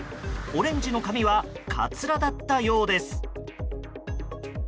オレンジの髪はかつらだったようです。